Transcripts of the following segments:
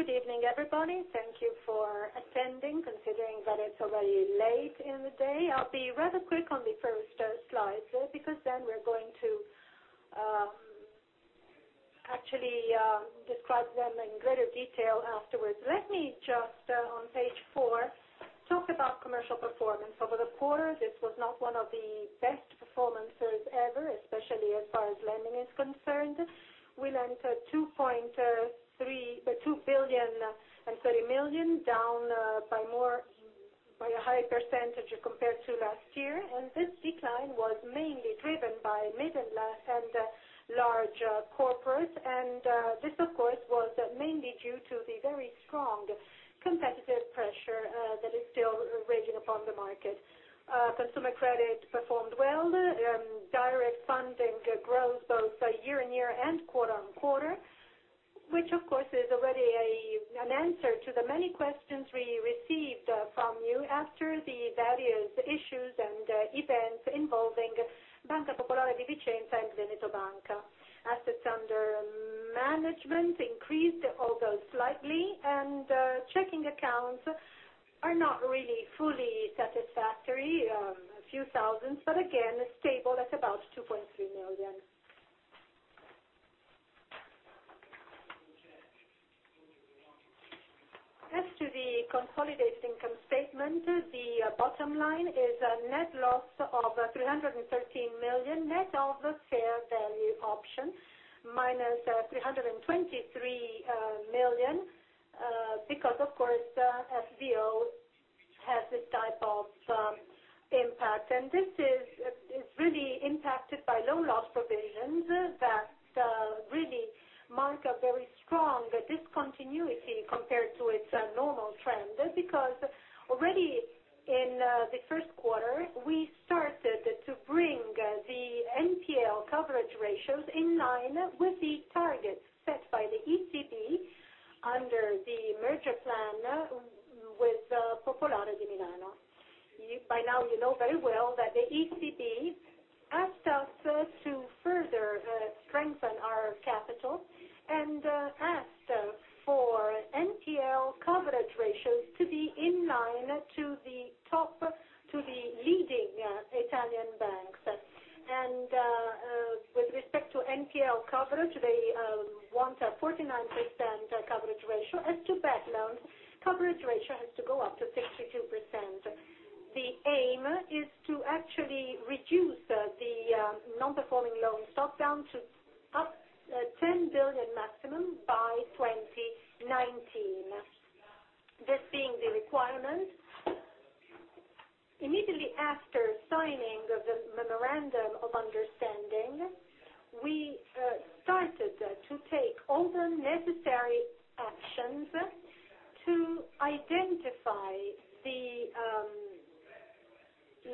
Good evening, everybody. Thank you for attending, considering that it's already late in the day. I'll be rather quick on the first slides, because we're going to actually describe them in greater detail afterwards. Let me just, on page four, talk about commercial performance. Over the quarter, this was not one of the best performances ever, especially as far as lending is concerned. We lent 2.03 billion, down by a high percentage compared to last year. This decline was mainly driven by middle and large corporates. This, of course, was mainly due to the very strong competitive pressure that is still raging upon the market. Consumer credit performed well. Direct funding growth both year-over-year and quarter-over-quarter, which of course is already an answer to the many questions we received from you after the various issues and events involving Banca Popolare di Vicenza and Veneto Banca. Assets under management increased, although slightly. Checking accounts are not really fully satisfactory. A few thousand, but again, stable at about 2.3 million. As to the consolidated income statement, the bottom line is a net loss of 313 million, net of fair value options, minus 323 million, because of course, FVO has this type of impact. This is really impacted by loan loss provisions that really mark a very strong discontinuity compared to its normal trend, because already in the first quarter, we started to bring the NPL coverage ratios in line with the targets set by the ECB under the merger plan with Popolare di Milano. By now you know very well that the ECB asked us to further strengthen our capital and asked for NPL coverage ratios to be in line to the top, to the leading Italian banks. With respect to NPL coverage, they want a 49% coverage ratio. As to bad loans, coverage ratio has to go up to 62%. The aim is to actually reduce the non-performing loans stock down to 10 billion maximum by 2019. This being the requirement, immediately after signing the memorandum of understanding, we started to take all the necessary actions to identify the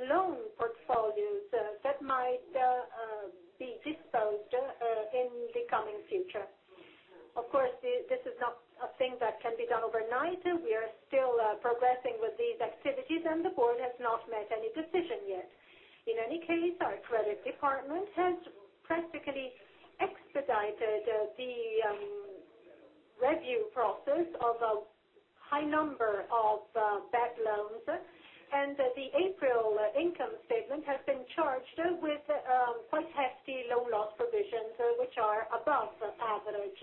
loan portfolios that might be disposed in the coming future. Of course, this is not a thing that can be done overnight. We are still progressing with these activities. The board has not made any decision yet. In any case, our credit department has practically expedited the review process of a high number of bad loans. The April income statement has been charged with quite hefty loan loss provisions, which are above average.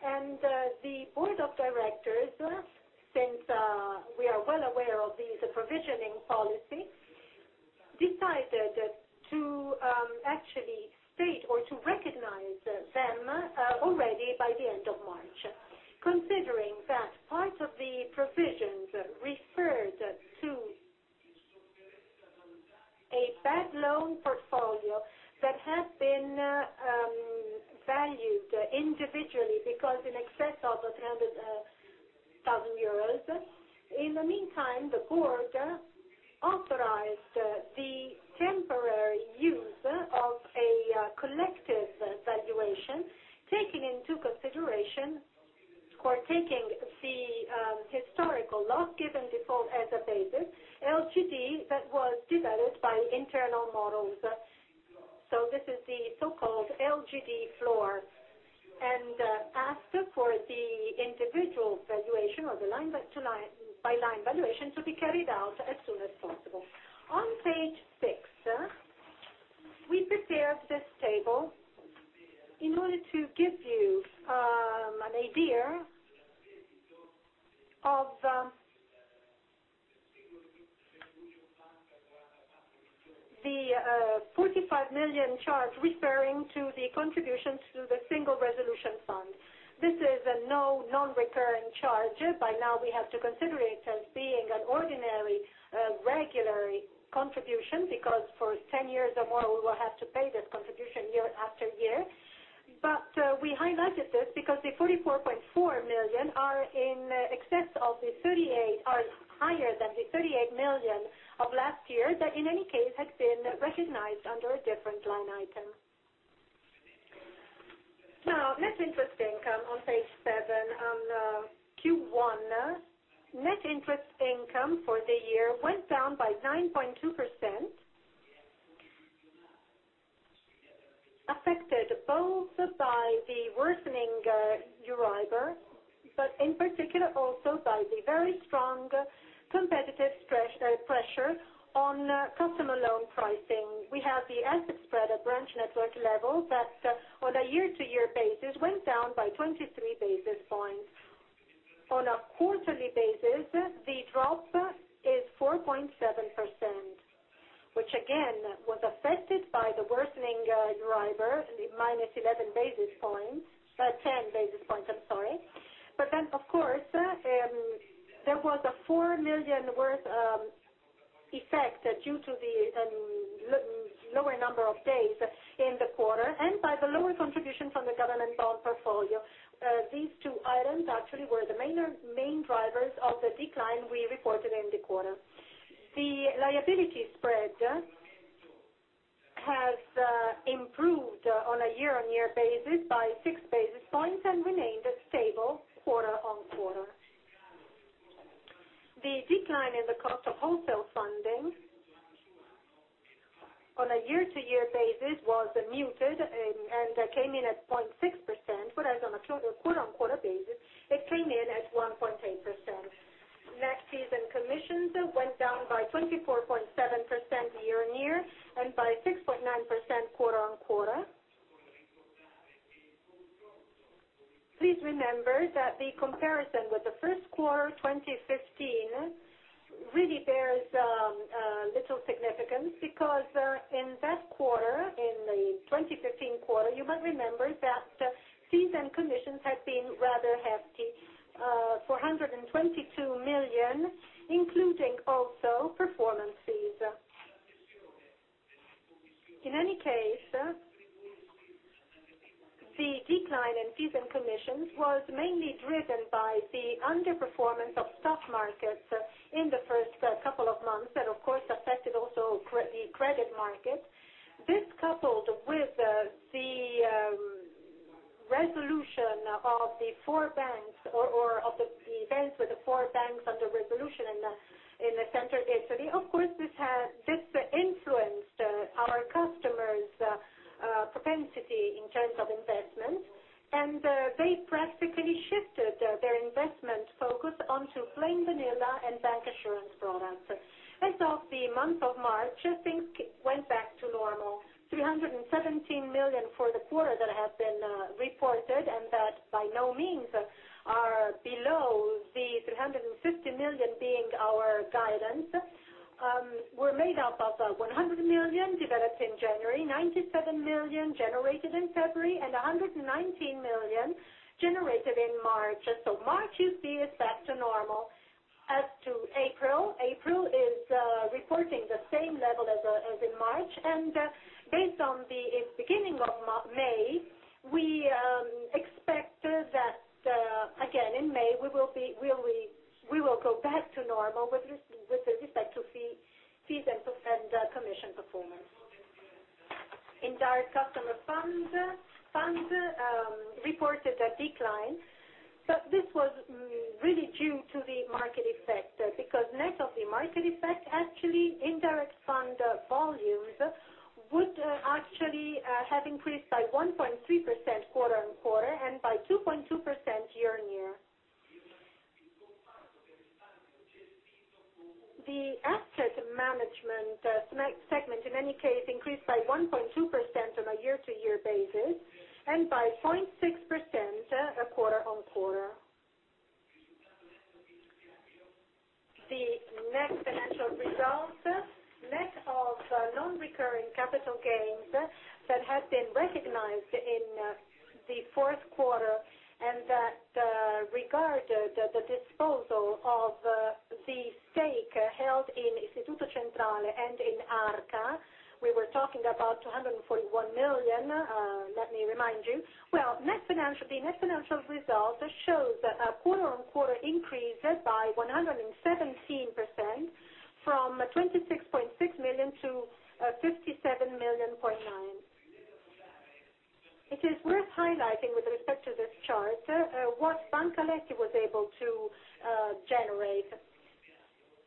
The board of directors, since we are well aware of these provisioning policies, decided to actually state or to recognize them already by the end of March, considering that part of the provisions referred to a bad loan portfolio that had been valued individually, because in excess of 300,000 euros. In the meantime, the board authorized the temporary use of a collective valuation, taking into consideration or taking the historical loss given default as a basis, LGD that was developed by internal models. This is the so-called LGD floor. It asked for the individual valuation or the line by line valuation to be carried out as soon as possible. On page six, we prepared this table in order to give you an idea of the 45 million charge referring to the contributions to the Single Resolution Fund. This is a non-recurring charge. By now we have to consider it as being an ordinary, regular contribution, because for 10 years or more, we will have to pay that contribution year after year. We highlighted this because the 44.4 million are higher than the 38 million of last year that in any case had been recognized under a different line item. Net interest income on page seven. On Q1, net interest income for the year went down by 9.2%. Affected both by the worsening EURIBOR, but in particular also by the very strong competitive pressure on customer loan pricing. We have the asset spread at branch network level that, on a year-on-year basis, went down by 23 basis points. On a quarterly basis, the drop is 4.7%, which again, was affected by the worsening driver, the -11 basis points. 10 basis points, I'm sorry. Of course, there was a 4 million worth effect due to the lower number of days in the quarter and by the lower contribution from the government bond portfolio. These two items actually were the main drivers of the decline we reported in the quarter. The liability spread has improved on a year-on-year basis by six basis points and remained stable quarter-on-quarter. The decline in the cost of wholesale funding on a year-on-year basis was muted and came in at 0.6%, whereas on a quarter-on-quarter basis, it came in at 1.8%. Fees and commissions went down by 24.7% year-on-year and by 6.9% quarter-on-quarter. Please remember that the comparison with the first quarter of 2015 really bears little significance because in that quarter, in the 2015 quarter, you might remember that fees and commissions had been rather hefty, 422 million, including also performance fees. In any case, the decline in fees and commissions was mainly driven by the underperformance of stock markets in the first couple of months and of course affected also the credit market. This coupled with the resolution of the four banks or of the banks with the four banks under resolution in central Italy, of course this influenced our customers' propensity in terms of investment, and they practically shifted their investment focus onto plain vanilla and bancassurance products. As of the month of March, things went back to normal, 317 million for the quarter that have been reported and that by no means are below the 350 million being our guidance, were made up of 100 million developed in January, 97 million generated in February, and 119 million generated in March. So March you see is back to normal. As to April is reporting the same level as in March, and based on the beginning of May, we expect that again in May, we will go back to normal with respect to fees and commission performance. Indirect customer funds reported a decline, but this was really due to the market effect because net of the market effect, actually indirect fund volumes would actually have increased by 1.3% quarter-on-quarter and by 2.2% year-on-year. The asset management segment in any case increased by 1.2% on a year-over-year basis and by 0.6% quarter-over-quarter. The net financial results, net of non-recurring capital gains that had been recognized in the fourth quarter and that regard the disposal of the stake held in Istituto Centrale and in Arca, we were talking about 241 million, let me remind you. Well, the net financial results show a quarter-over-quarter increase by 117%, from 26.6 million to 57.9 million. It is worth highlighting with respect to this chart what Banca Aletti was able to generate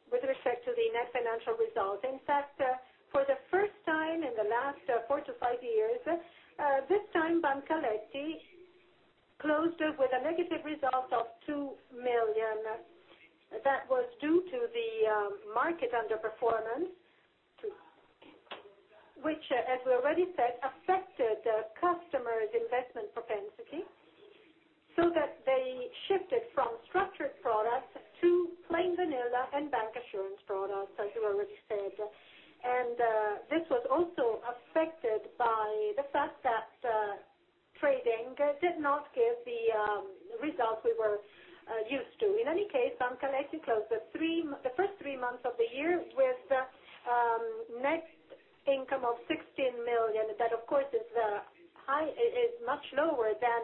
with respect to the net financial results. In fact, for the first time in the last four to five years, this time Banca Aletti closed with a negative result of 2 million. That was due to the market underperformance, which, as we already said, affected customers' investment propensity, so that they shifted from structured products to plain vanilla and bancassurance products, as we already said. This was also affected by the fact that trading did not give the results we were used to. In any case, Banca Aletti closed the first three months of the year with net income of 16 million. That of course is much lower than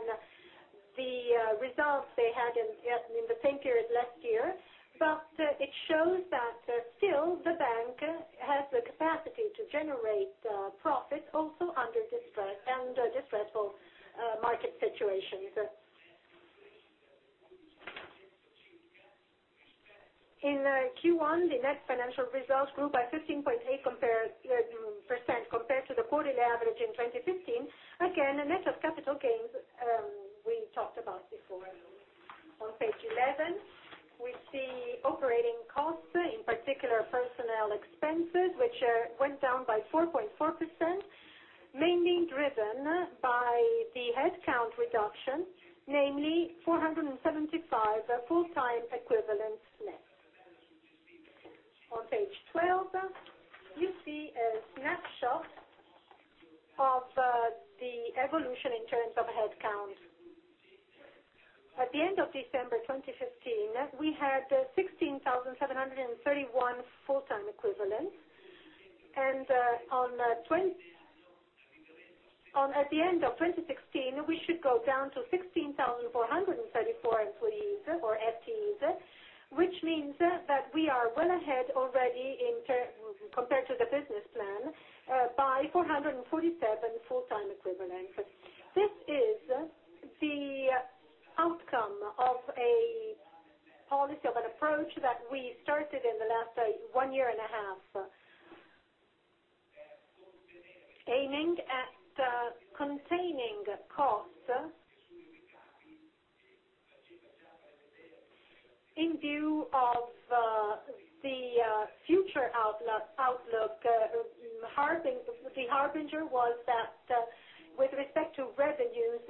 the results they had in the same period last year. It shows that still the bank has the capacity to generate profit also under distress and distressful market situations. In Q1, the net financial results grew by 15.8% compared to the quarterly average in 2015. Again, the net of capital gains we talked about before. On page 11, we see operating costs, in particular personnel expenses, which went down by 4.4%, mainly driven by the headcount reduction, namely 475 full-time equivalents net. On page 12, you see a snapshot of the evolution in terms of headcount. At the end of December 2015, we had 16,731 full-time equivalents. At the end of 2016, we should go down to 16,434 employees or FTEs, which means that we are well ahead already compared to the business plan by 447 full-time equivalents. This is the outcome of a policy, of an approach that we started in the last one year and a half, aiming at containing costs in view of the future outlook. The harbinger was that with respect to revenues,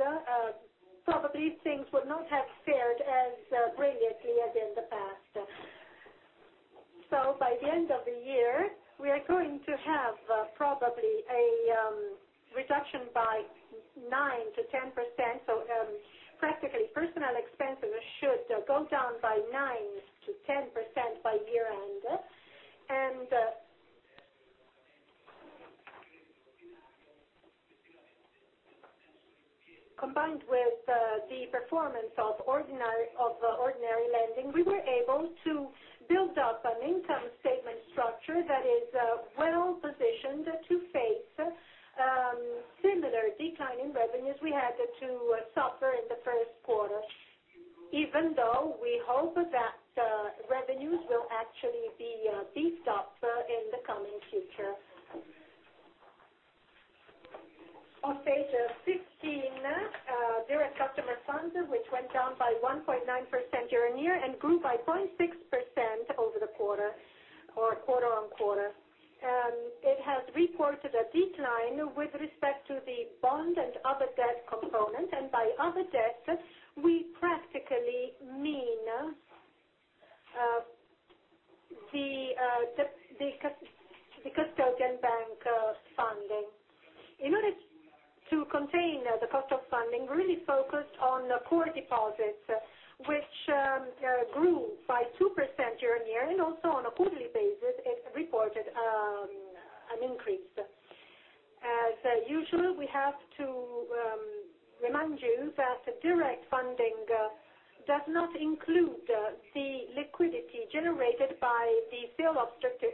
probably things would not have fared as brilliantly as in the past. By the end of the year, we are going to have probably a reduction by 9%-10%. Practically, personnel expenses should go down by 9%-10% by year-end. Combined with the performance of ordinary lending, we were able to build up an income statement structure that is well-positioned to face similar decline in revenues we had to suffer in the first quarter, even though we hope that revenues will actually be beefed up in the coming future. On page 15, direct customer funds, which went down by 1.9% year-over-year and grew by 0.6% over the quarter or quarter-over-quarter. It has reported a decline with respect to the bond and other debt component. By other debt, we practically mean the custodian bank funding. In order to contain the cost of funding, really focused on core deposits, which grew by 2% year-on-year, and also on a quarterly basis, it reported an increase. As usual, we have to remind you that direct funding does not include the liquidity generated by the sale of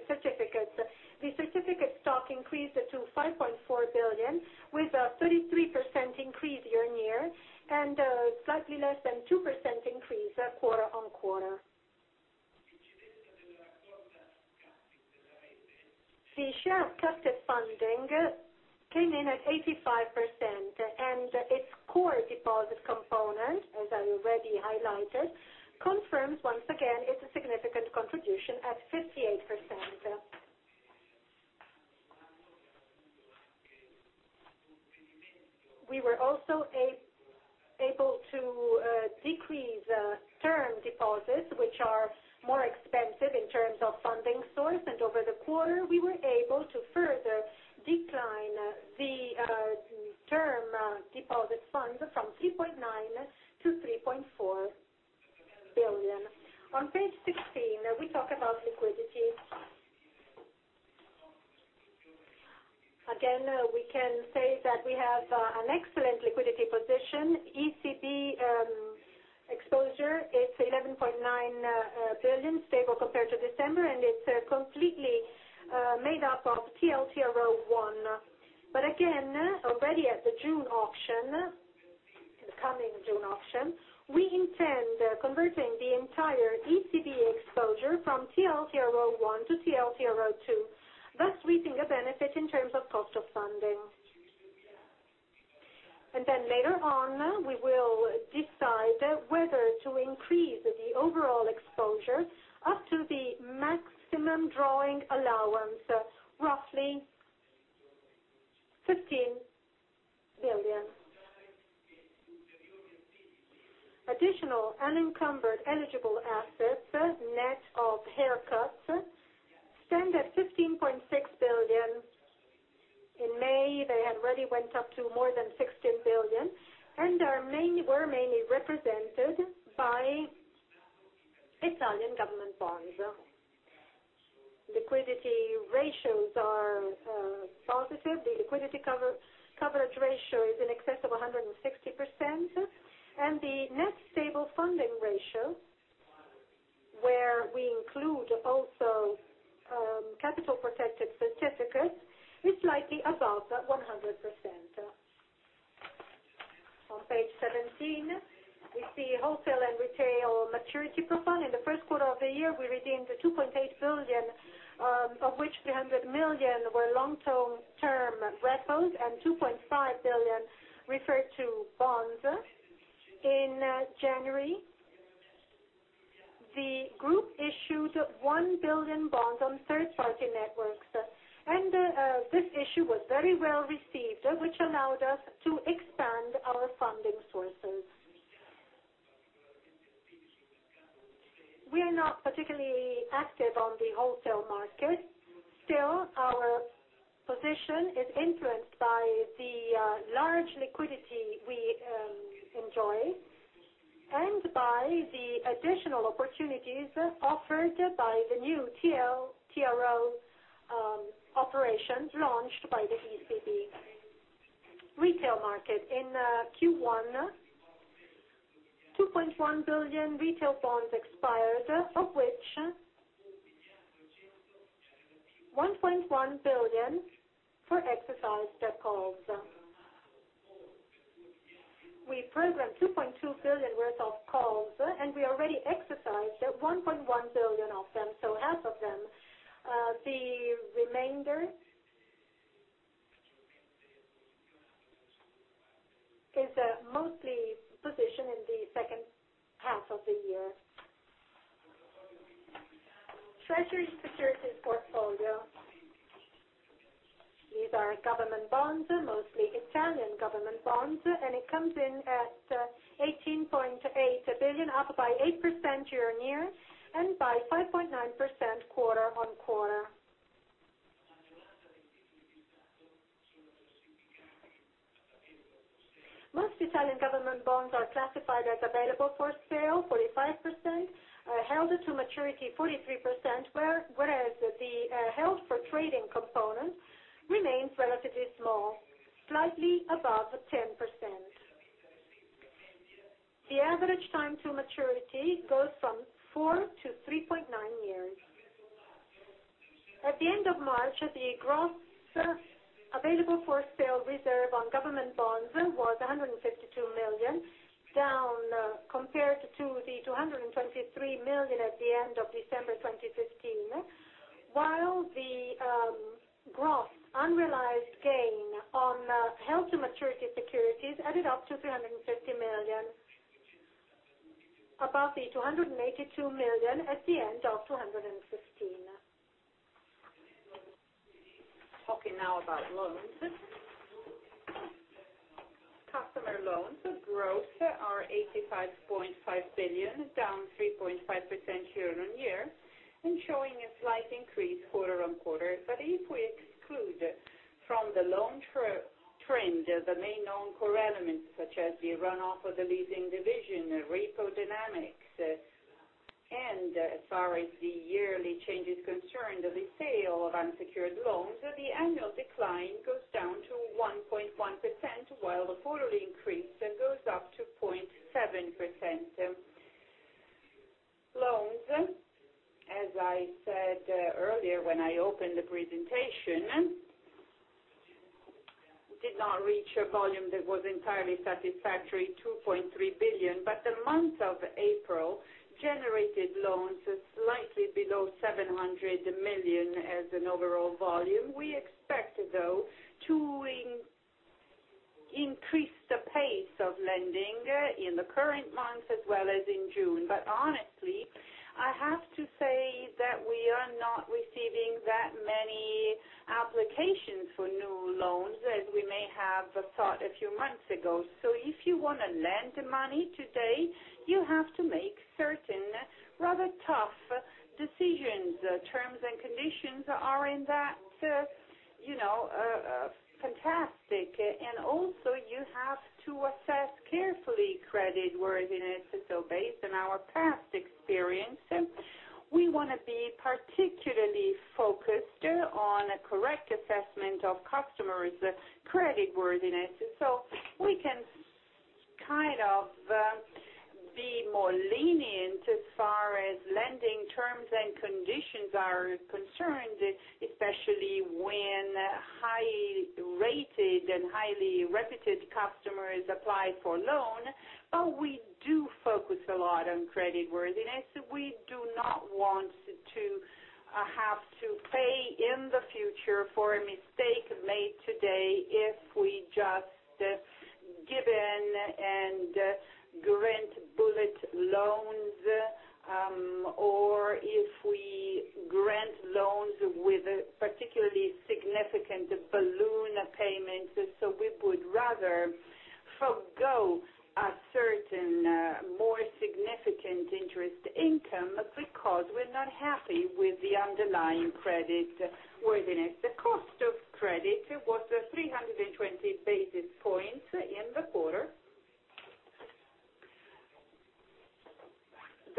certificates. The certificate stock increased to 5.4 billion, with a 33% increase year-on-year and slightly less than 2% increase quarter-on-quarter. The share of captive funding came in at 85%, and its core deposit component, as I already highlighted, confirms once again its significant contribution at 58%. We were also able to decrease term deposits, which are more expensive in terms of funding source, and over the quarter, we were able to further decline the term deposit funds from 3.9 billion to 3.4 billion. On page 16, we talk about liquidity. We can say that we have an excellent liquidity position. ECB exposure is 11.9 billion, stable compared to December, and it's completely made up of TLTRO I. Already at the June auction, the coming June auction, we intend converting the entire ECB exposure from TLTRO I to TLTRO II, thus reaping a benefit in terms of cost of funding. Later on, we will decide whether to increase the overall exposure up to the maximum drawing allowance, roughly EUR 15 billion. Additional unencumbered eligible assets, net of haircuts, stand at 15.6 billion. In May, they had already went up to more than 16 billion and were mainly represented by Italian government bonds. Liquidity ratios are positive. The liquidity coverage ratio is in excess of 160%, and the net stable funding ratio, where we include Capital protected certificates is slightly above 100%. On page 17, we see wholesale and retail maturity profile. In the first quarter of the year, we redeemed 2.8 billion, of which 300 million were long-term repos and 2.5 billion referred to bonds. In January, the group issued 1 billion bonds on third-party networks, and this issue was very well received, which allowed us to expand our funding sources. We are not particularly active on the wholesale market. Still, our position is influenced by the large liquidity we enjoy and by the additional opportunities offered by the new TLTRO operations launched by the ECB. Retail market. In Q1, 2.1 billion retail bonds expired, of which 1.1 billion for exercised calls. We programmed 2.2 billion worth of calls, and we already exercised 1.1 billion of them, so half of them. The remainder is mostly positioned in the second half of the year. Treasury securities portfolio. These are government bonds, mostly Italian government bonds, and it comes in at 18.8 billion, up by 8% year-on-year and by 5.9% quarter-on-quarter. Most Italian government bonds are classified as available for sale, 45%, held to maturity 43%, whereas the held-for-trading component remains relatively small, slightly above 10%. The average time to maturity goes from four to 3.9 years. At the end of March, the gross available-for-sale reserve on government bonds was 152 million, down compared to the 223 million at the end of December 2015. While the gross unrealized gain on held-to-maturity securities added up to 350 million, above the 282 million at the end of 2015. Talking now about loans. Customer loans gross are 85.5 billion, down 3.5% year-on-year, and showing a slight increase quarter-on-quarter. If we exclude from the loan trend the main non-core elements such as the runoff of the leasing division, repo dynamics, and as far as the yearly change is concerned, the sale of unsecured loans, the annual decline goes down to 1.1%, while the quarterly increase goes up to 0.7%. Loans, as I said earlier when I opened the presentation, did not reach a volume that was entirely satisfactory, 2.3 billion. The month of April generated loans slightly below 700 million as an overall volume. We expect, though, to increase the pace of lending in the current month as well as in June. Honestly, I have to say that we are not receiving that many applications for new loans as we may have thought a few months ago. If you want to lend money today, you have to make certain rather tough decisions. Terms and conditions aren't that fantastic. Also you have to assess carefully credit worthiness. Based on our past experience, we want to be particularly focused on a correct assessment of customers' credit worthiness. We can kind of be more lenient as far as lending terms and conditions are concerned, especially when high-rated and highly reputed customers apply for a loan, but we do focus a lot on credit worthiness. We do not want to have to pay in the future for a mistake made today if we just give in and grant bullet loans or if we grant loans with particularly significant balloon payments. We would rather forego a certain more significant interest income because we're not happy with the underlying credit worthiness. The cost of credit was 320 basis points in the quarter.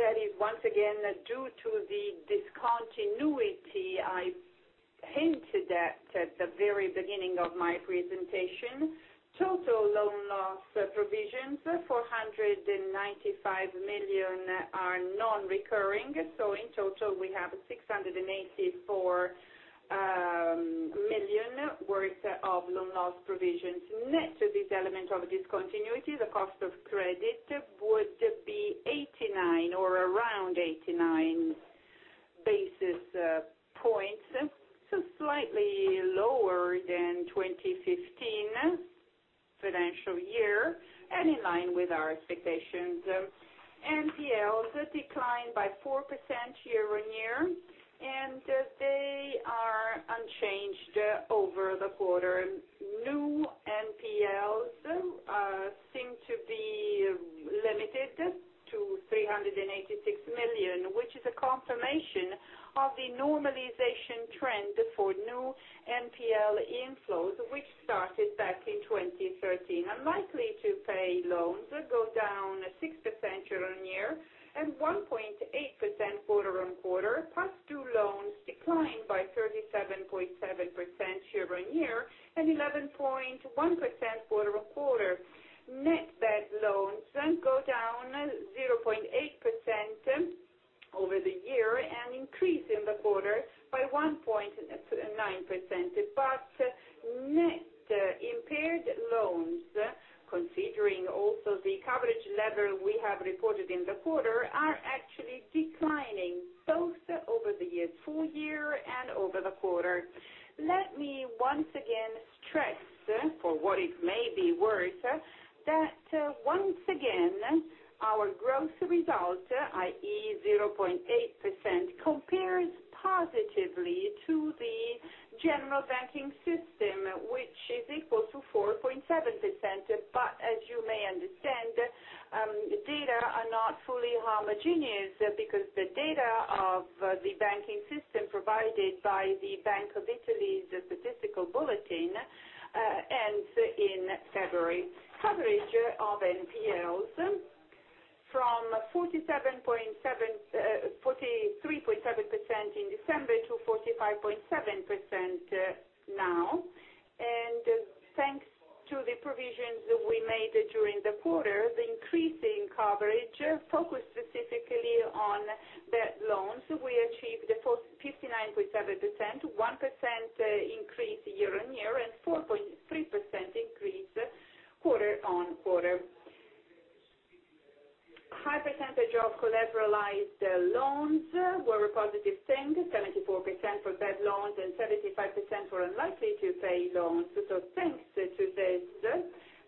That is once again due to the discontinuity I Hinted at the very beginning of my presentation, total loan loss provisions, 495 million are non-recurring. In total, we have 684 million worth of loan loss provisions. Net of this element of discontinuity, the cost of credit would be 89 or around 89 basis points, slightly lower than 2015 financial year and in line with our expectations. NPLs declined by 4% year-on-year, and they are unchanged over the quarter. New NPLs seem to be limited to 386 million, which is a confirmation of the normalization trend for new NPL inflows, which started back in 2013. Unlikely-to-pay loans go down 6% year-on-year and 1.8% quarter-on-quarter. Past-due loans declined by 37.7% year-on-year and 11.1% quarter-on-quarter. Net bad loans go down 0.8% over the year and increase in the quarter by 1.9%. Net impaired loans, considering also the coverage level we have reported in the quarter, are actually declining both over the full year and over the quarter. Let me once again stress, for what it may be worth, that once again, our growth result, i.e., 0.8%, compares positively to the general banking system, which is equal to 4.7%. As you may understand, data are not fully homogeneous because the data of the banking system provided by the Bank of Italy's Statistical Bulletin ends in February. Coverage of NPLs from 43.7% in December to 45.7% now. Thanks to the provisions we made during the quarter, the increase in coverage focused specifically on bad loans. We achieved 59.7%, 1% increase year-on-year and 4.3% increase quarter-on-quarter. High percentage of collateralized loans were a positive thing, 74% for bad loans and 75% for unlikely-to-pay loans. Thanks to this,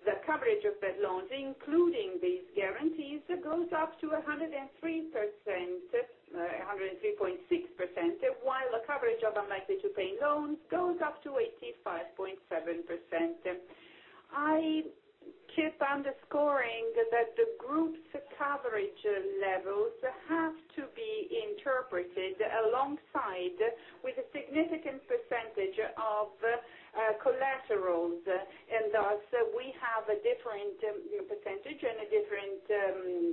the coverage of bad loans, including these guarantees, goes up to 103.6%, while the coverage of unlikely-to-pay loans goes up to 85.7%. I keep underscoring that the group's coverage levels have to be interpreted alongside with a significant percentage of collaterals, and thus, we have a different percentage and we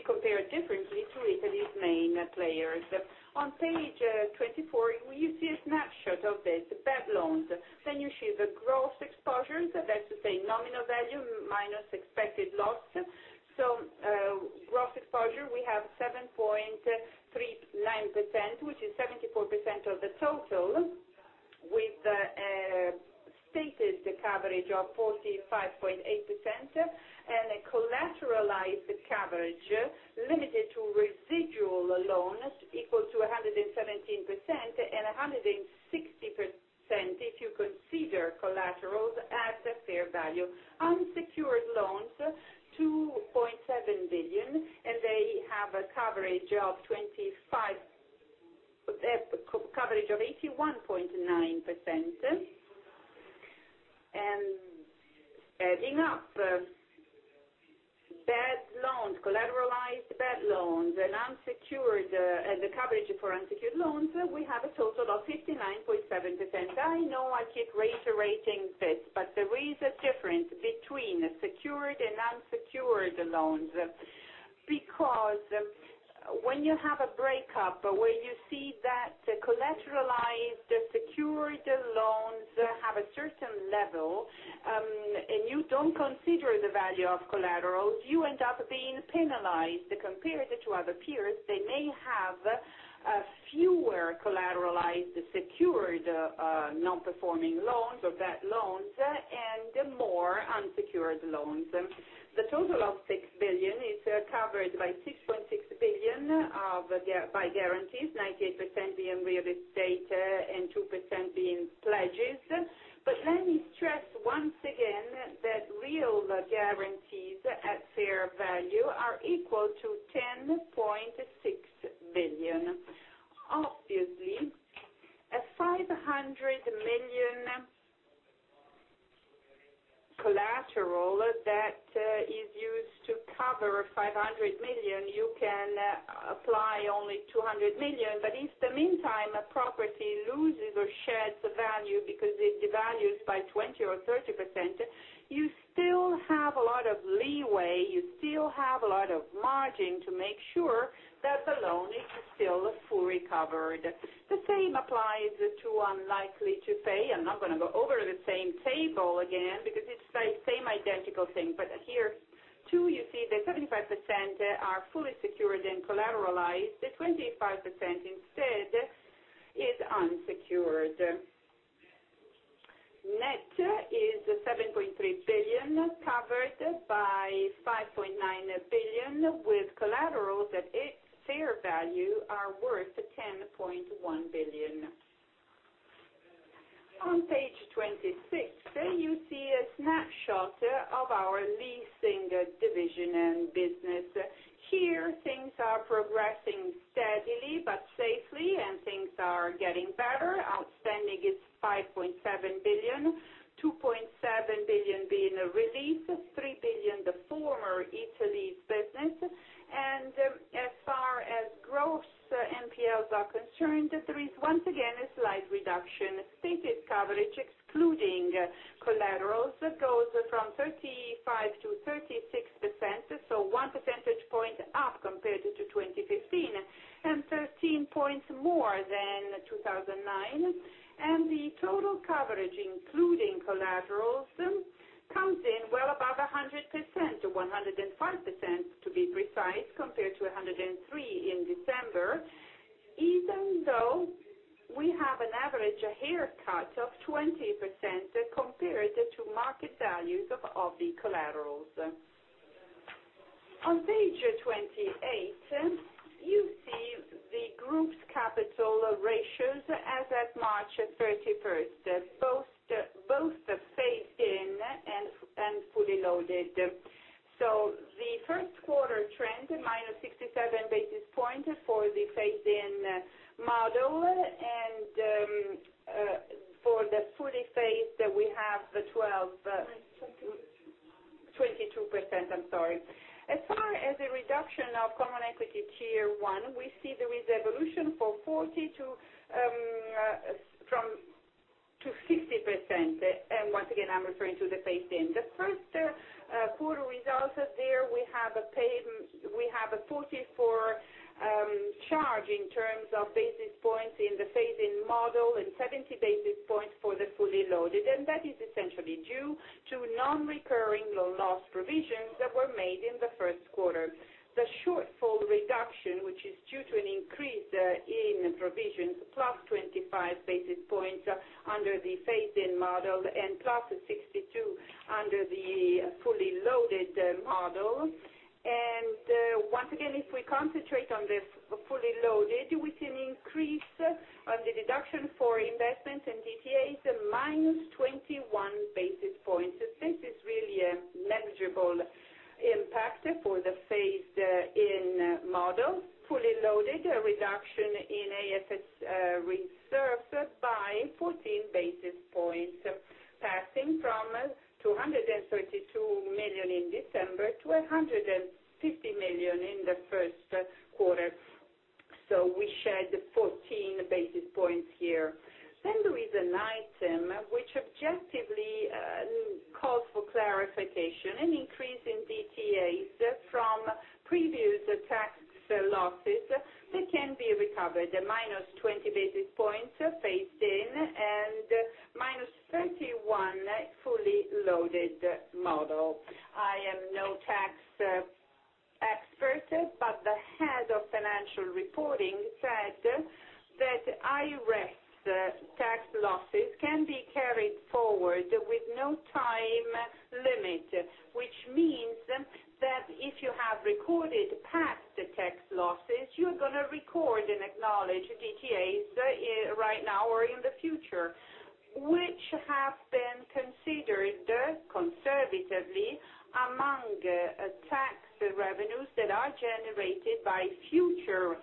compare differently to Italy's main players. On page 24, we see a snapshot of this. Bad loans. You see the gross exposures, that's to say, nominal value minus expected loss. Gross exposure, we have 7.39%, which is 74% of the total, with a stated coverage of 45.8% and a collateralized coverage limited to residual loans equal to 117% and 160% if you consider collaterals at fair value. Unsecured loans, 2.7 billion, and they have a coverage of 81.9%. Adding up bad loans, collateralized bad loans, and the coverage for unsecured loans, we have a total of 59.7%. I know I keep reiterating this, but there is a difference between secured and unsecured loans because when you have a breakup where you see that the collateralized secured loans have a certain level, and you don't consider the value of collaterals, you end up being penalized compared to other peers that may have fewer collateralized secured non-performing loans or bad loans and more unsecured loans. The total of 6 billion is covered by 6.6 billion by guarantees, 98% being real estate and 2% being pledges. Let me stress once again that real guarantees at fair value are equal to 10.6 billion. Obviously, a 500 million collateral that is used to cover 500 million, you can apply only 200 million. In the meantime, a property loses or sheds the value because it devalues by 20% or 30%, you still have a lot of leeway, you still have a lot of margin to make sure that the loan is still fully covered. The same applies to unlikely to pay. I'm not going to go over the same table again because it's the same identical thing. Here too, you see that 75% are fully secured and collateralized. 25% instead is unsecured. Net is 7.3 billion, covered by 5.9 billion with collaterals at fair value are worth 10.1 billion. On page 26, you see a snapshot of our leasing division and business. Here, things are progressing steadily but safely, and things are getting better. Outstanding is 5.7 billion, 2.7 billion being released, 3 billion the former Italease business. As far as gross NPLs are concerned, there is once again a slight reduction. Stated coverage, excluding collaterals, goes from 35%-36%, so one percentage point up compared to 2015, and 13 points more than 2009. The total coverage, including collaterals, comes in well above 100%, 105% to be precise, compared to 103% in December, even though we have an average haircut of 20% compared to market values of the collaterals. On page 28, you see the group's capital ratios as at March 31st, both the phased in and fully loaded. The first quarter trend, -67 basis points for the phased-in model, and for the fully phased, we have 12. 22%. 22%, I'm sorry. As far as the reduction of Common Equity Tier 1, we see there is evolution for 40%-60%. I'm referring to the phased in. The first quarter results are there. We have a 44 charge in terms of basis points in the phased-in model and 70 basis points for the fully loaded, and that is essentially due to non-recurring loan loss provisions that were made in the first quarter. The shortfall reduction, which is due to an increase in provisions, +25 basis points under the phased-in model, and +62 under the fully loaded model. If we concentrate on the fully loaded, we can increase on the deduction for investment in DTAs, -21 basis points. This is really a measurable impact for the phased-in model. Fully loaded, a reduction in AFS reserves by 14 basis points, passing from 232 million in December to 150 million in the first quarter. We shed 14 basis points here. There is an item which objectively calls for clarification. An increase in DTAs from previous tax losses that can be recovered, -20 basis points phased in and -31 fully loaded model. I am no tax expert, but the head of financial reporting said that IRES tax losses can be carried forward with no time limit, which means that if you have recorded past tax losses, you're going to record and acknowledge DTAs right now or in the future, which have been considered conservatively among tax revenues that are generated by future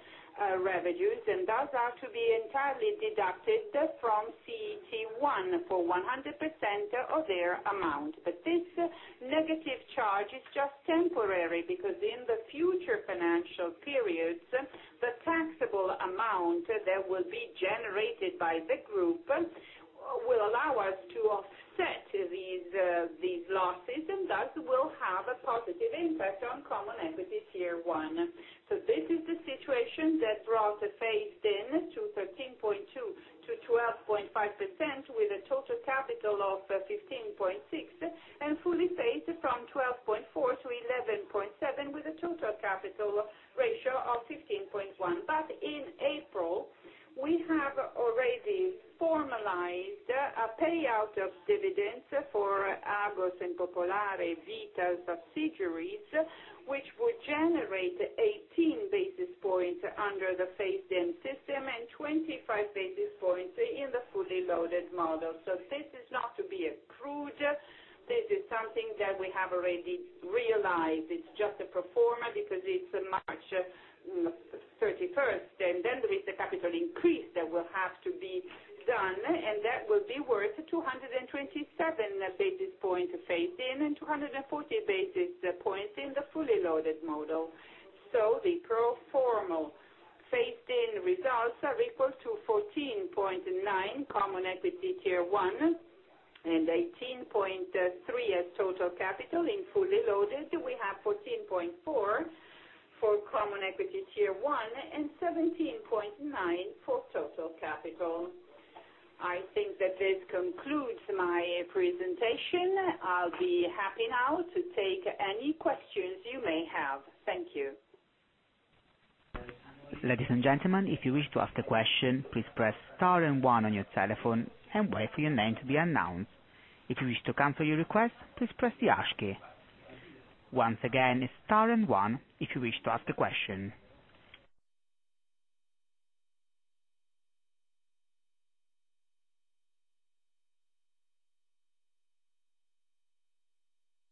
revenues, and those are to be entirely deducted from CET1 for 100% of their amount. This negative charge is just temporary, because in the future financial periods, the taxable amount that will be generated by the group will allow us to offset these losses, and thus will have a positive impact on Common Equity Tier 1. This is the situation that brought the phased in to 13.2%-12.5% with a total capital of 15.6%, and fully phased from 12.4%-11.7% with a total capital ratio of please press star 1 on your telephone and wait for your name to be announced. If you wish to cancel your request, please press the hash key. Once again, it is star 1 if you wish to ask the question.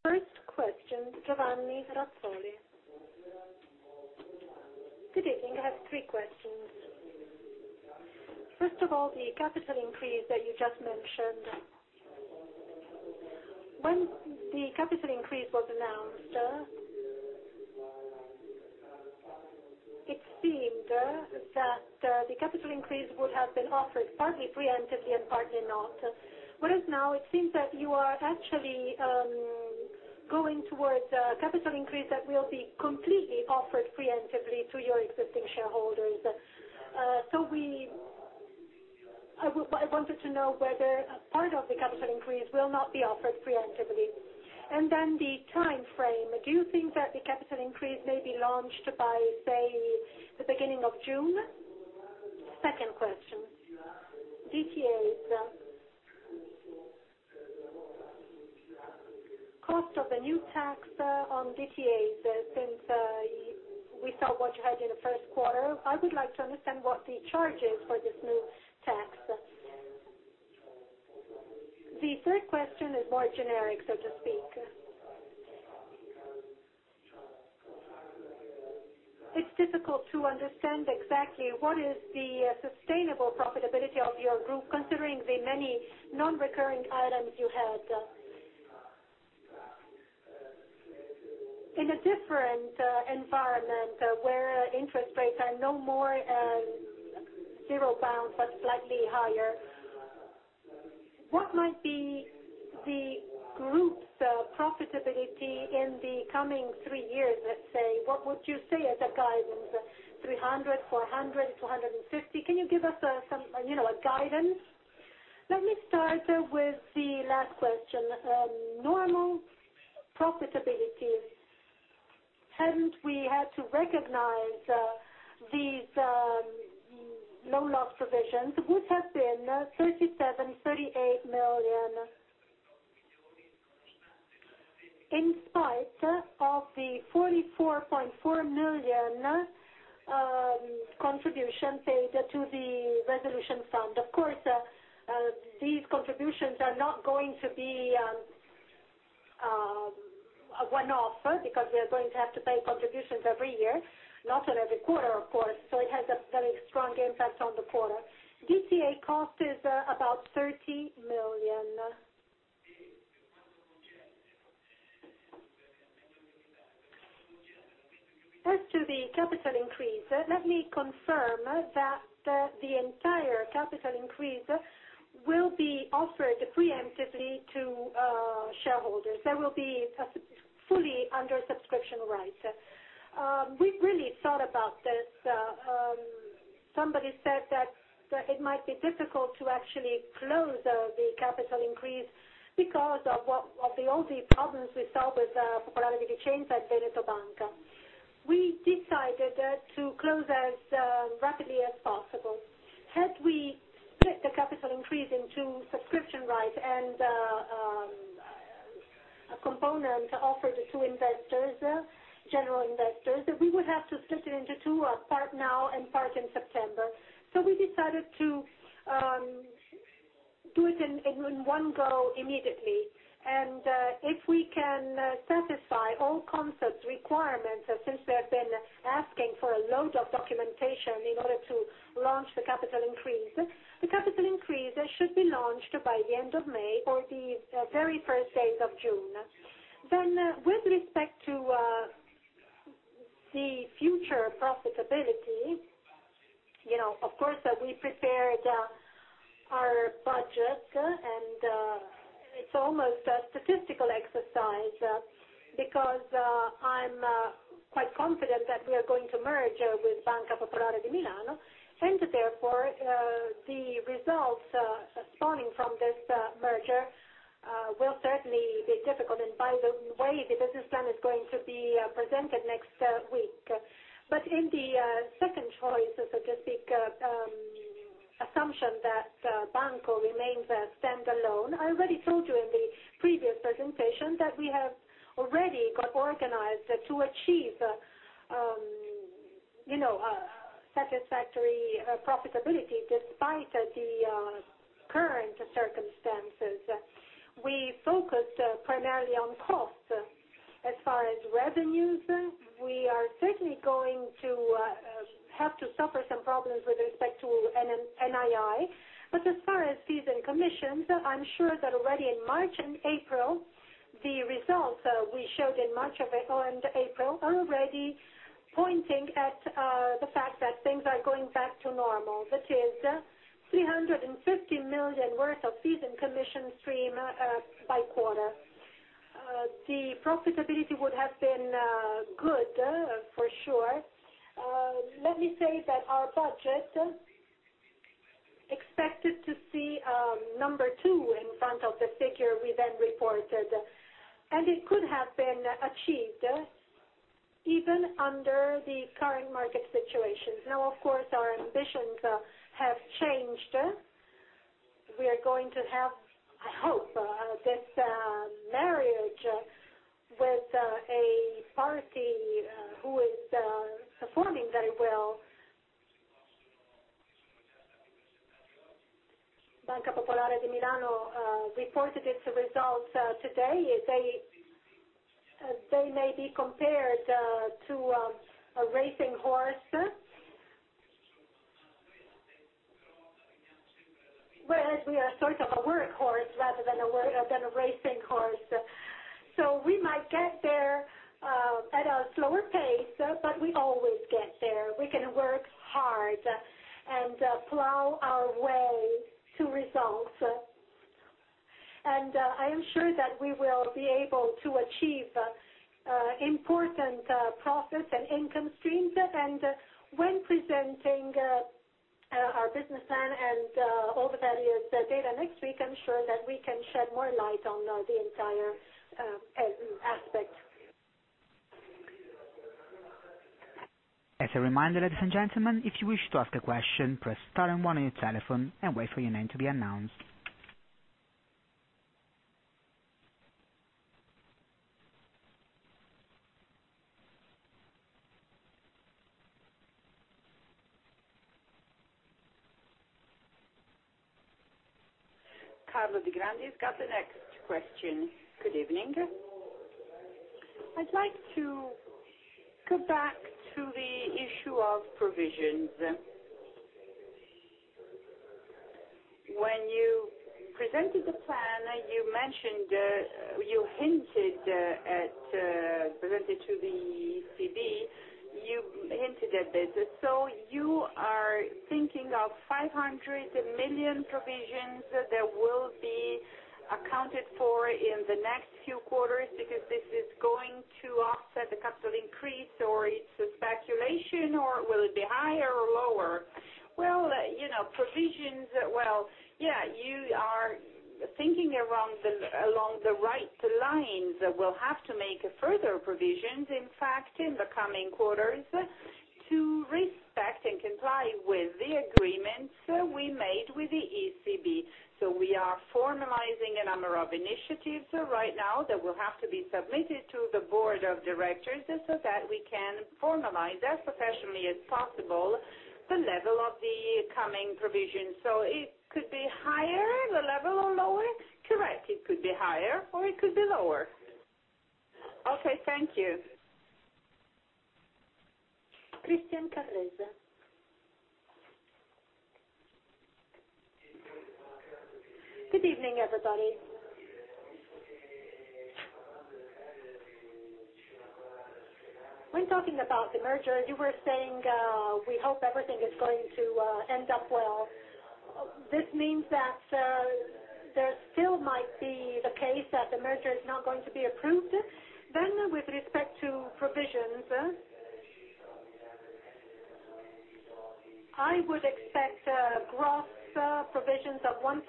First question, Giovanni Grosoli. Good evening. I have three questions. The capital increase that you just mentioned. When the capital increase was announced, it seemed that the capital increase would have been offered partly pre-emptively and partly not. Now, it seems that you are actually going towards a capital increase that will be completely offered pre-emptively to your existing shareholders. I wanted to know whether a part of the capital increase will not be offered pre-emptively. Then the timeframe. Do you think that the capital increase may be launched by, say, the beginning of June? Second question, DTAs. Cost of the new tax on DTAs, since we saw what you had in the first quarter, I would like to understand what the charge is for this new tax. The third question is more generic, so to speak. It is difficult to understand exactly what is the sustainable profitability of your group, considering the many non-recurring items you had. In a different environment, where interest rates are no more zero bound but slightly higher, what might be the group's profitability in the coming three years, let's say? What would you say as a guidance, 300, 400, 250? Can you give us a guidance? Let me start with the last question. Normal profitability, hadn't we had to recognize these loan loss provisions, would have been 37 million-38 million, in spite of the 44.4 million contribution paid to the Single Resolution Fund. Of course, these contributions are not going to be a one-off, because we are going to have to pay contributions every year, not in every quarter, of course. It has a very strong impact on the quarter. DTA cost is about 30 million. As to the capital increase, let me confirm that the entire capital increase will be offered pre-emptively to shareholders. That will be fully under subscription rights. We've really thought about this. Somebody said that it might be difficult to actually close the capital increase because of the old problems we saw with Banca Popolare di Vicenza at Veneto Banca. We decided to close as rapidly as possible. Had we split the capital increase into subscription rights and a component offered to general investors, we would have to split it into 2, a part now and part in September. We decided to do it in 1 go immediately, and if we can satisfy all concepts, requirements, since they have been asking for a load of documentation in order to launch the capital increase, the capital increase should be launched by the end of May or the very first days of June. With respect to the future profitability, of course, we prepared our budget, and it's almost a statistical exercise, because I'm quite confident that we are going to merge with Banca Popolare di Milano, and therefore, the results spawning from this merger will certainly be difficult. By the way, the business plan is going to be presented next week. In the second choice, so to speak, assumption that Banco remains a standalone, I already told you in the previous presentation that we have already got organized to achieve a satisfactory profitability despite the current circumstances. We focused primarily on cost. As far as revenues, we have to suffer some problems with respect to NII. As far as fees and commissions, I'm sure that already in March and April, the results we showed in March and April are already pointing at the fact that things are going back to normal, that is 350 million worth of fees and commission stream by quarter. The profitability would have been good, for sure. Let me say that our budget expected to see a number 2 in front of the figure we then reported, and it could have been achieved even under the current market situation. Of course, our ambitions have changed. We are going to have, I hope, this marriage with a party who is performing very well. Banca Popolare di Milano reported its results today. They may be compared to a racing horse, whereas we are sort of a workhorse rather than a racing horse. We might get there at a slower pace, but we always get there. We can work hard and plow our way to results. I am sure that we will be able to achieve important profits and income streams. When presenting our business plan and all the various data next week, I'm sure that we can shed more light on the entire aspect. As a reminder, ladies and gentlemen, if you wish to ask a question, press star and one on your telephone and wait for your name to be announced. Carlo Digrandi has got the next question. Good evening. I'd like to go back to the issue of provisions. When you presented the plan, presented to the ECB, you hinted at this. You are thinking of 500 million provisions that will be accounted for in the next few quarters because this is going to offset the capital increase, or it's a speculation, or will it be higher or lower? Provisions, you are thinking along the right lines. We'll have to make further provisions, in fact, in the coming quarters to respect and comply with the agreements we made with the ECB. We are formalizing a number of initiatives right now that will have to be submitted to the board of directors so that we can formalize as professionally as possible the level of the coming provisions. It could be higher, or lower? Correct. It could be higher, or it could be lower. Okay. Thank you. Christian Carrese. Good evening, everybody. When talking about the merger, you were saying, we hope everything is going to end up well. This means that there still might be the case that the merger is not going to be approved. With respect to provisions, I would expect gross provisions of 1.5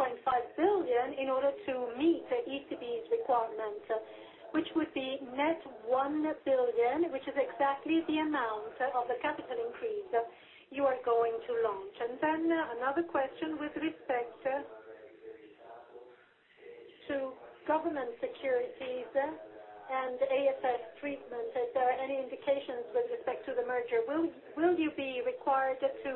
billion in order to meet the ECB's requirements, which would be net 1 billion, which is exactly the amount of the capital increase you are going to launch. Another question with respect to government securities and the AFS treatment. Is there any indications with respect to the merger? Will you be required to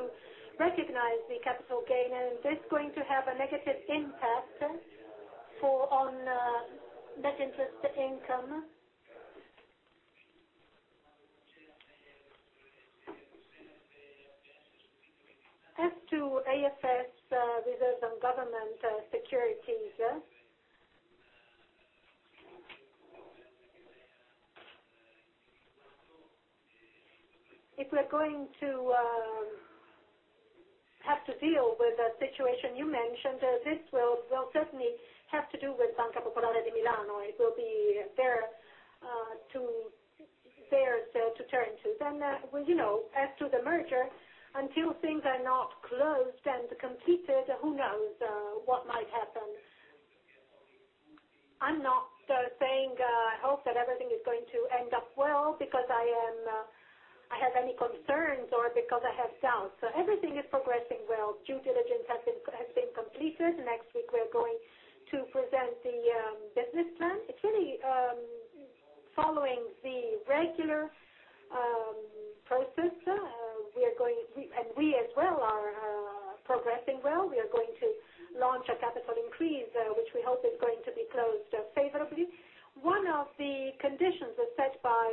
recognize the capital gain, and is this going to have a negative impact on net interest income? As to AFS reserves on government securities, if we're going to have to deal with the situation you mentioned, this will certainly have to do with Banca Popolare di Milano. It will be theirs to turn to. As to the merger, until things are not closed and completed, who knows what might happen. I'm not saying I hope that everything is going to end up well because I have any concerns or because I have doubts. Everything is progressing well. Due diligence has been completed. Next week, we are going to present the business plan. It's really following the regular process. We as well are progressing well. We are going to launch a capital increase, which we hope is going to be closed favorably. One of the conditions set by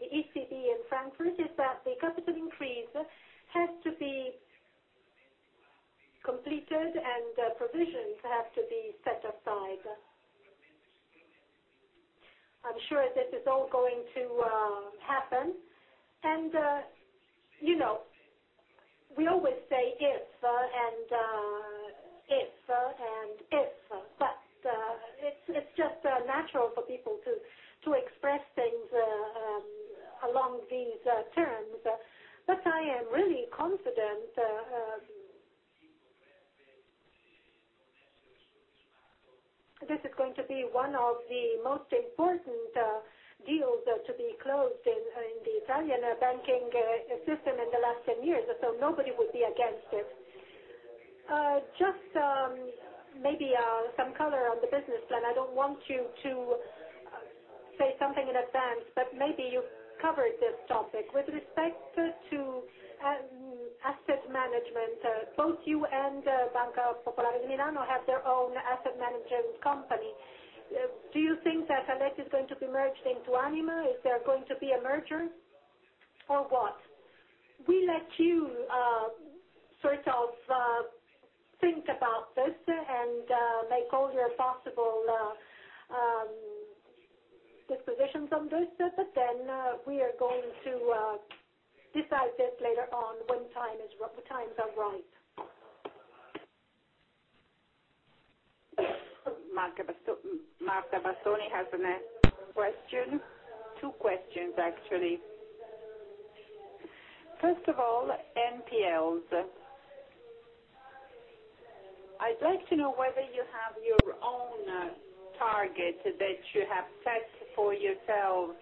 the ECB in Frankfurt is that the capital increase has to be completed, and provisions have to be set aside. I'm sure this is all going to happen. We always say if and if and if, but it's just natural for people to express things along these terms. I am really confident this is going to be one of the most important deals to be closed in the Italian banking system in the last 10 years. Nobody would be against it. Just maybe some color on the business plan. I don't want you to say something in advance, but maybe you covered this topic. With respect to asset management, both you and Banca Popolare di Milano have their own asset management company. Do you think that Aletti is going to be merged into Anima? Is there going to be a merger or what? We let you sort of think about this and make all your possible dispositions on this, we are going to decide this later on when times are right. Marta Bastoni has the next question. Two questions, actually. First of all, NPLs. I'd like to know whether you have your own target that you have set for yourselves.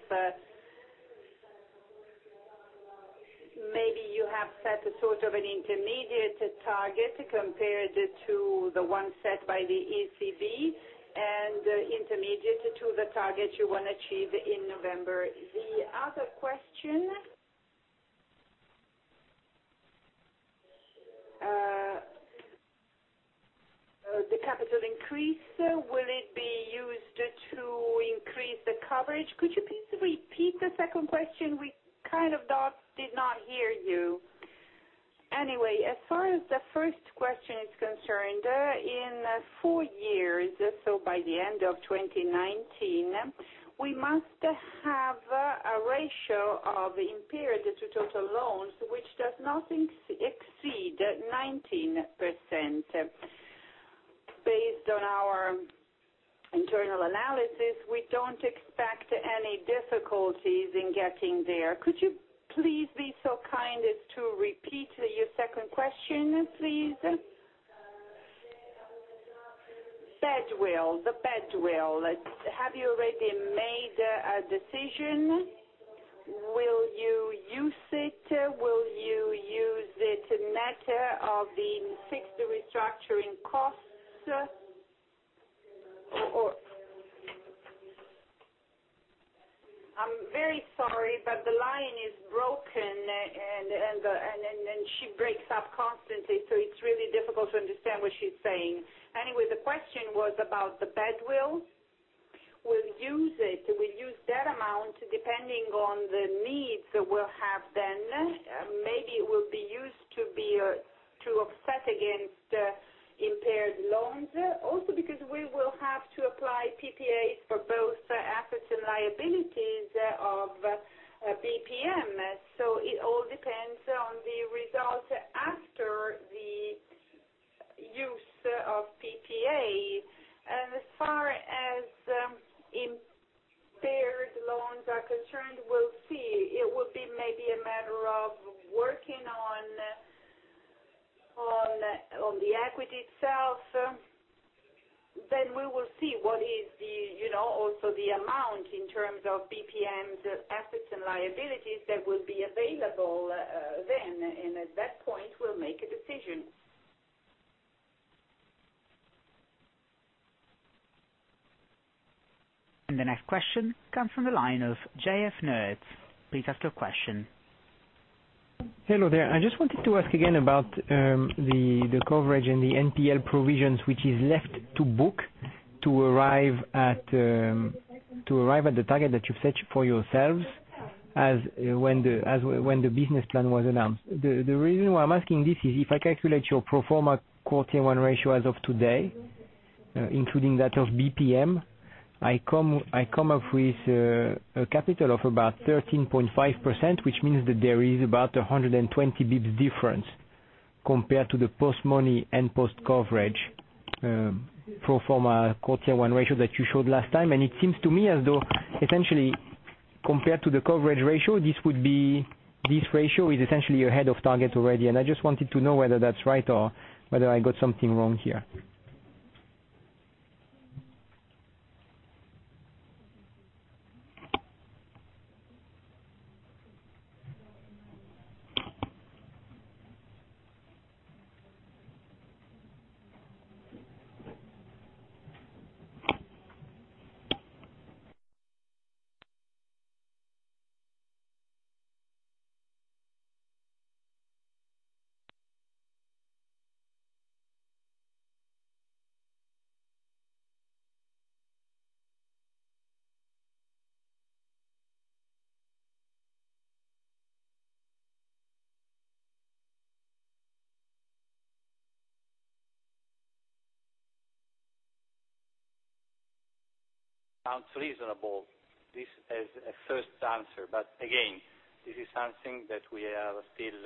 Maybe you have set a sort of an intermediate target compared to the one set by the ECB and intermediate to the target you want to achieve in November. The other question The capital increase, will it be used to increase the coverage? Could you please repeat the second question? We kind of did not hear you. As far as the first question is concerned, in four years, so by the end of 2019, we must have a ratio of impaired to total loans, which does not exceed 19%. Based on our internal analysis, we don't expect any difficulties in getting there. Could you please be so kind as to repeat your second question, please? Badwill. The badwill. Have you already made a decision? Will you use it? Will you use it matter of the fixed restructuring costs? I'm very sorry, but the line is broken, and then she breaks up constantly, so it's really difficult to understand what she's saying. Anyway, the question was about the badwill. We'll use it. We'll use that amount depending on the needs we'll have then. Maybe it will be used to offset against impaired loans. Also because we will have to apply PPAs for both assets and liabilities of BPM. It all depends on the result after the use of PPA. As far as impaired loans are concerned, we'll see. It will be maybe a matter of working on the equity itself. We will see what is also the amount in terms of BPM's assets and liabilities that will be available then, and at that point, we'll make a decision. The next question comes from the line of J.F. Neuez. Please ask your question. Hello there. I just wanted to ask again about the coverage and the NPL provisions, which is left to book to arrive at the target that you've set for yourselves as when the business plan was announced. The reason why I'm asking this is if I calculate your pro forma Core Tier 1 ratio as of today, including that of BPM, I come up with a capital of about 13.5%, which means that there is about 120 basis points difference compared to the post money and post coverage pro forma Core Tier 1 ratio that you showed last time. It seems to me as though essentially compared to the coverage ratio, this ratio is essentially ahead of target already. I just wanted to know whether that's right or whether I got something wrong here. Sounds reasonable. This is a first answer, again, this is something that we are still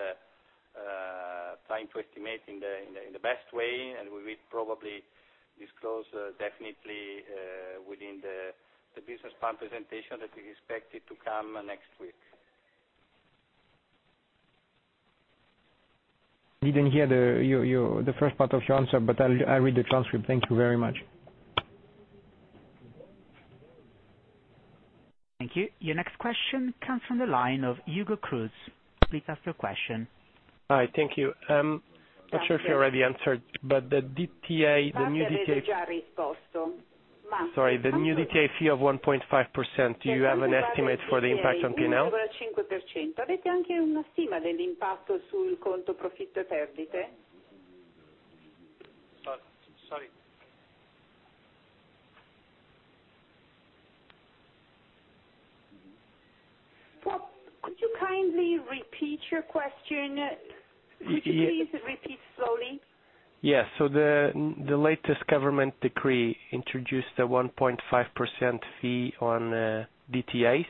trying to estimate in the best way, we will probably disclose definitely within the business plan presentation that is expected to come next week. I didn't hear the first part of your answer, I'll read the transcript. Thank you very much. Thank you. Your next question comes from the line of Hugo Cruz. Please ask your question. Hi. Thank you. I'm not sure if you already answered, but the new DTA fee of 1.5%, do you have an estimate for the impact on P&L? Sorry. Could you kindly repeat your question? Could you please repeat slowly? Yeah. The latest government decree introduced a 1.5% fee on DTAs.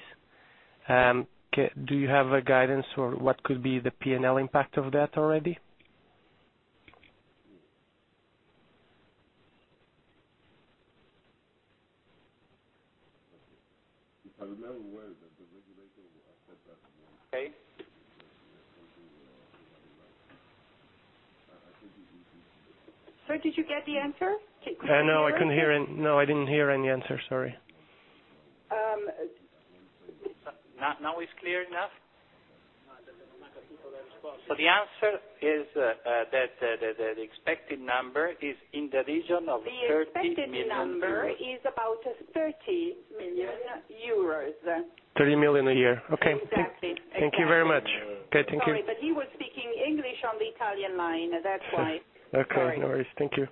Do you have a guidance for what could be the P&L impact of that already? Sir, did you get the answer? No, I didn't hear any answer, sorry. Now it's clear enough? The answer is that the expected number is in the region of 30 million euros. 30 million a year. Okay. Exactly. Thank you very much. Okay, thank you. Sorry, but he was speaking English on the Italian line. That is why. Sorry. Okay, no worries. Thank you.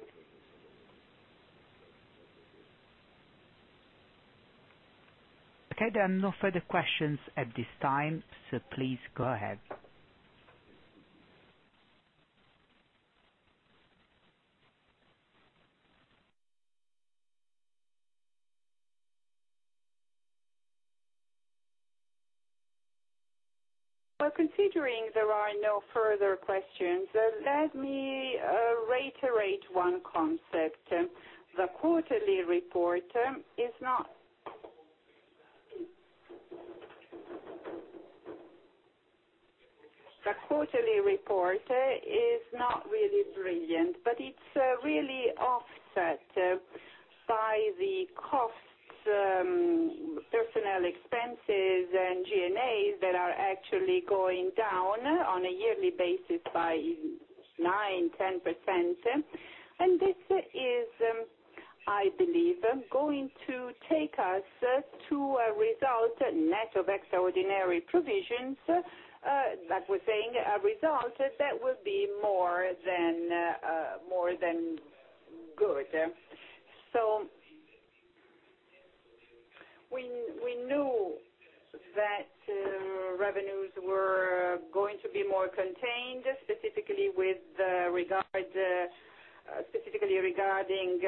Okay, there are no further questions at this time. Please go ahead. Well, considering there are no further questions, let me reiterate one concept. The quarterly report is not really brilliant, but it is really offset by the costs, personnel expenses, and G&A that are actually going down on a yearly basis by nine, 10%. This is, I believe, going to take us to a result net of extraordinary provisions, like we are saying, a result that will be more than good. We knew that revenues were going to be more contained, specifically regarding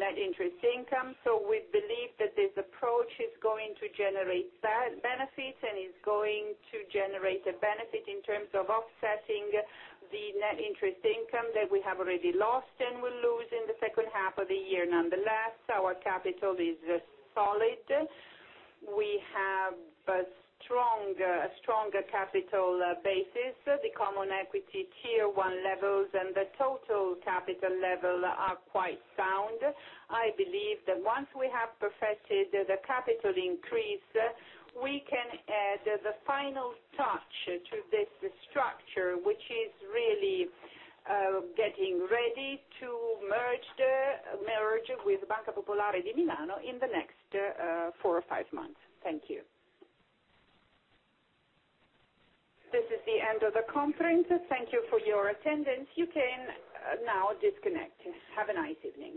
net interest income. We believe that this approach is going to generate benefits, and is going to generate a benefit in terms of offsetting the net interest income that we have already lost and will lose in the second half of the year. Nonetheless, our capital is solid. We have a stronger capital basis. The Common Equity Tier 1 levels and the total capital level are quite sound. I believe that once we have perfected the capital increase, we can add the final touch to this structure, which is really getting ready to merge with Banca Popolare di Milano in the next four or five months. Thank you. This is the end of the conference. Thank you for your attendance. You can now disconnect. Have a nice evening.